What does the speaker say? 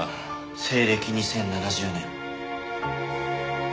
西暦２０７０年。